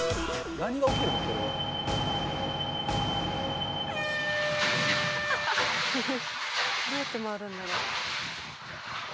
どうやって回るんだろ？